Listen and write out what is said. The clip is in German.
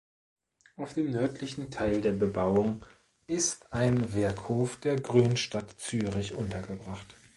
Auf dem nördlichen Teil der Bebauung ist ein Werkhof der Grün Stadt Zürich untergebracht.